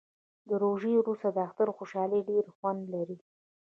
د روژې وروسته د اختر خوشحالي ډیر خوند لري